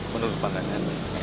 menurut pak ganya